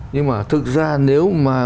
nhưng mà thực ra nếu mà